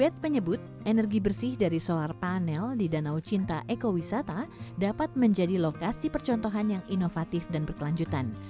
bed menyebut energi bersih dari solar panel di danau cinta ekowisata dapat menjadi lokasi percontohan yang inovatif dan berkelanjutan